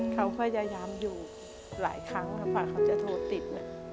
เขาก็ยายามอยู่หลายครั้งเพราะเขาจะโทรติด